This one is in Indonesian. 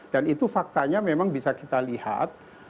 dan itu faktanya memang bisa kita lihat